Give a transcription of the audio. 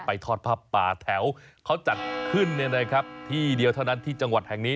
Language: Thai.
ทอดผ้าป่าแถวเขาจัดขึ้นที่เดียวเท่านั้นที่จังหวัดแห่งนี้